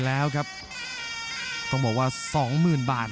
รับทราบบรรดาศักดิ์